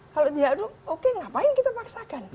kalau tidak oke ngapain kita paksakan